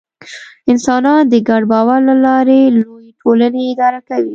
انسانان د ګډ باور له لارې لویې ټولنې اداره کوي.